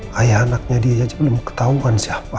hai ayah anaknya dia aja belum ketahuan siapa